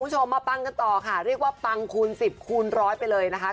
คุณผู้ชมมาปังกันต่อค่ะเรียกว่าปังคูณ๑๐คูณร้อยไปเลยนะคะ